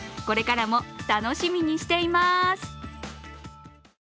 これからも楽しみにしています。